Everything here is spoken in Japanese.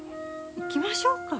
行きましょうか。